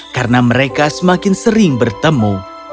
karena mereka semakin sering bertemu